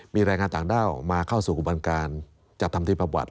มีแรงงานต่างด้าวมาเข้าสู่อุบันการจัดทำที่ประวัติ